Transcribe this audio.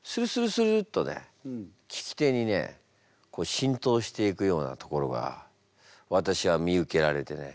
スルッとね聞き手にね浸透していくようなところが私は見受けられてね。